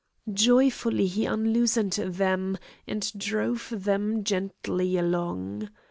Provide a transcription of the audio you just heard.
Joyfully he unloosened them, and drove them gently along.